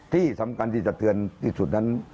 ที่สำคัญที่สะเทือนที่สุดนั้น